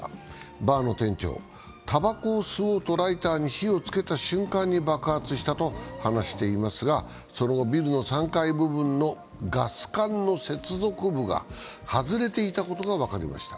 バーの店長、たばこを吸おうとライターに火をつけた瞬間に爆発したと話していますがその後、ビルの３階部分のガス管の接続部が外れていたことが分かりました。